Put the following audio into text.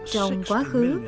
trong quá khứ